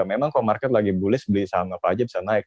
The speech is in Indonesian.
memang kalau market lagi bulls beli saham apa aja bisa naik